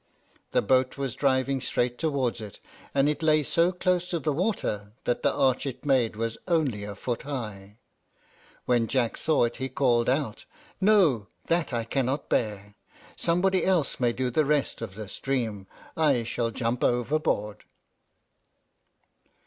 The boat was driving straight towards it, and it lay so close to the water that the arch it made was only a foot high. When Jack saw it, he called out, "No! that I cannot bear. Somebody else may do the rest of this dream. I shall jump overboard."